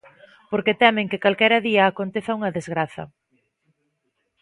Porque temen que calquera día aconteza unha desgraza.